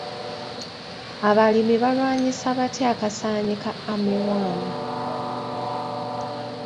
Abalimi balwanyisa batya Akasaanyi ka armyworm?